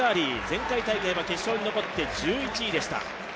前回大会は決勝に残って１１位でした。